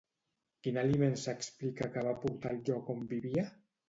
Quin aliment s'explica que va portar al lloc on vivia?